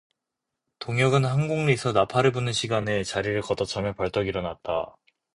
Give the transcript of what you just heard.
동혁은 한곡리서 나팔을 부는 시간에 자리를 걷어차며 벌떡 일어났다.